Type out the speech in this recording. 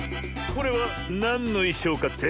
これはなんのいしょうかって？